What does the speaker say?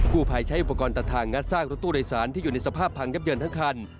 ผู้ภัยใช้อุปกรณ์ตัดทางงัดซากรถตู้โดยสารที่อยู่ในสภาพพังยับเยินทั้งคัน